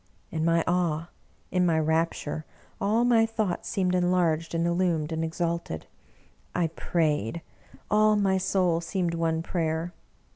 In my awe, in my rapture, all my thoughts seemed enlarged and illumed and exalted. I prayed — all my soul seemed one prayer.